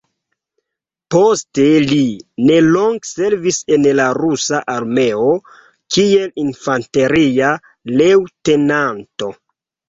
Poste li nelonge servis en la Rusa armeo kiel infanteria leŭtenanto.